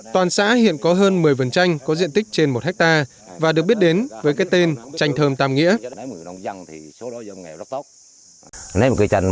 toàn xã hiện có hơn một mươi vườn tranh có diện tích trên một hectare và được biết đến với cái tên tranh thơm tam nghĩa